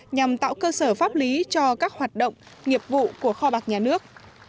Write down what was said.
nhằm tạo cơ sở pháp lý cho các hoạt động nghiệp vụ của kho bạc nhà nước